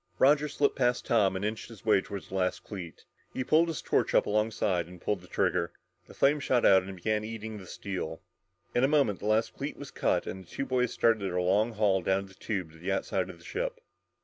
Roger slipped past Tom and inched his way toward the last cleat. He pulled his torch up alongside and pulled the trigger. The flame shot out and began eating the steel. In a moment the last cleat was cut and the two boys started their long haul down the tube to the outside of the ship.